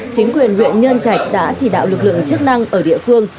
chính quyền huyện nhân trạch đã chỉ đạo lực lượng chức năng ở địa phương